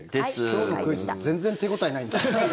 今日のクイズ全然、手応えないんですけど。